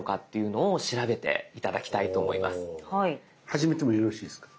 始めてもよろしいですか？